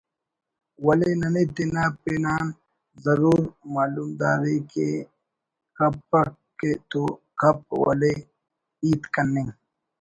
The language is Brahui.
ولے ننے تینا پن آن ضرور معلوم دار کے کپک تو کپ ولے ہیت کننگ